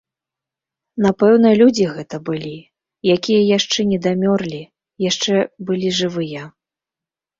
Напэўна, людзі гэта былі, якія яшчэ недамёрлі, яшчэ былі жывыя.